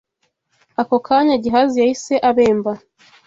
Ako kanya, Gehazi yahise abemba